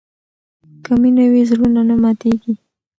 که مینه وي، زړونه نه ماتېږي.